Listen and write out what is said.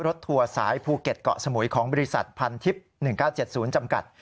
ทัวร์สายภูเก็ตเกาะสมุยของบริษัทพันทิพย์๑๙๗๐จำกัด